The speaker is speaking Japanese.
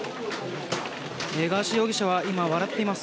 ガーシー容疑者は今、笑っています。